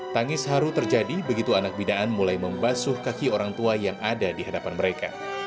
tangis haru terjadi begitu anak binaan mulai membasuh kaki orang tua yang ada di hadapan mereka